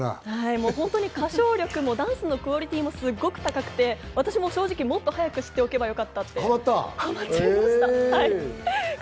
もう本当に歌唱力もダンスのクオリティーもすごく高くて、私も正直、もっと早く知っておけばよかったって変わっちゃいました。